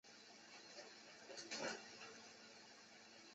牛尾树